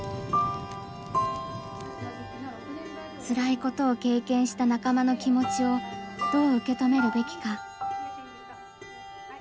つらいことを経験した仲間の気持ちをどう受け止めるべきか？